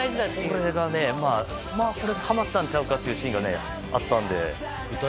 これがハマったんちゃうかというシーンがあったので。